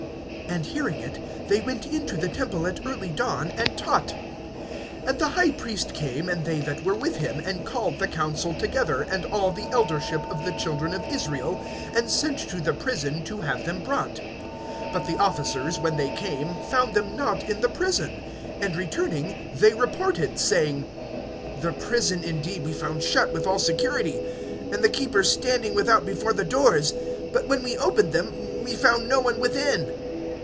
(21)And hearing it, they went into the temple at early dawn, and taught. And the high priest came, and they that were with him, and called the council together, and all the eldership of the children of Israel, and sent to the prison to have them brought. (22)But the officers, when they came, found them not in the prison; and returning, they reported, (23)saying: The prison indeed we found shut with all security, and the keepers standing without before the doors; but when we opened them, we found no one within.